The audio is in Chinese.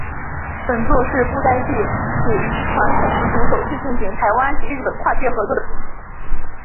本作是布袋戏此一传统艺术首次进行台湾及日本跨界合作的作品。